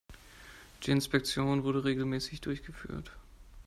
Die Inspektion wurde regelmäßig durchgeführt.